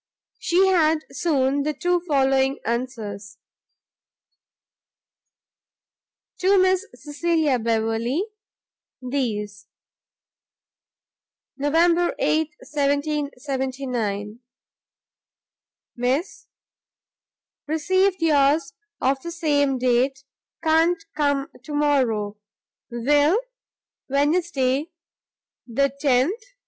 She had soon the two following answers: To Miss Cecilia Beverley, These November 8, 1779. Miss, Received yours of the same date; can't come tomorrow. Will, Wednesday the 10th.